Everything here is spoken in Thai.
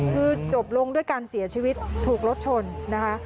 คือจบลงด้วยการเสียชีวิตถูกรถชนนะคะ